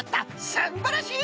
すんばらしい！